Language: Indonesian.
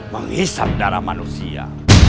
menghisap darah manusia